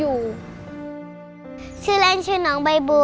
รายการต่อไปนี้เป็นรายการทั่วไปสามารถรับชมได้ทุกวัย